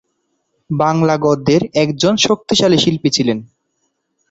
বাংলা গদ্যের একজন শক্তিশালী শিল্পী ছিলেন।